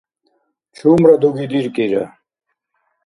Чумра дуги диркӏира